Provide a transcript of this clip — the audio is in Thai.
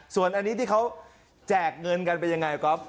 ส่วนอันนี้ที่เขาแจกเงินกันเป็นยังไงก๊อฟ